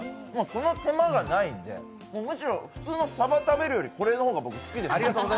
その手間がないんで、むしろ普通のさば食べるより、これの方が僕、好きです。